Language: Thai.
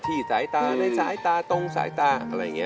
ที่สายตาในสายตาตรงสายตาอะไรอย่างนี้